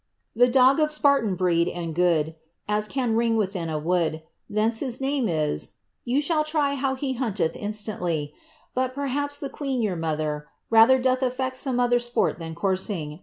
J03 The dog of Sp&rtan breed, and good, At can ring within a wood^^ Thence his name ii^ — you shall try How he honteth instantly. But perhaps the queen, your mother, Rather doth affect some other Sport than coursing.